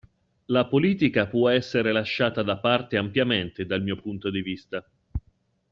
La politica può essere lasciata da parte ampiamente dal mio punto di vista.